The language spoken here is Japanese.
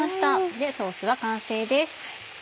でソースが完成です。